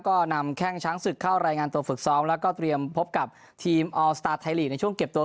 ก็นำแข้งช้างศึกเข้ารายงานตัวฝึกซ้อมแล้วก็เตรียมพบกับทีมออลสตาร์ทไทยลีกในช่วงเก็บตัว